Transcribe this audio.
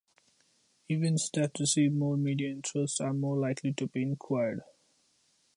Events that receive more media interest are more likely to be inquired.